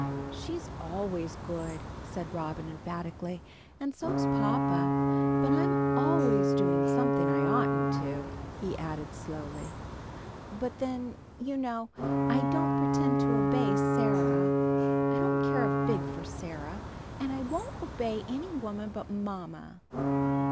"She's always good," said Robin, emphatically; "and so's papa. But I'm always doing something I oughtn't to," he added, slowly. "But then, you know, I don't pretend to obey Sarah. I don't care a fig for Sarah; and I won't obey any woman but mamma."